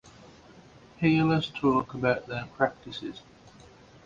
Healers talk about their practices.